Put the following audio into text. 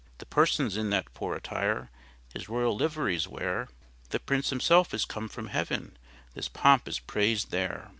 The persons in that poor attire His royal liveries wear; The Prince himself is come from heaven— This pomp is praised there.